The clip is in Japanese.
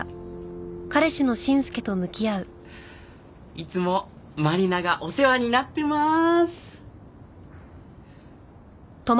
いつも麻里奈がお世話になってまーす！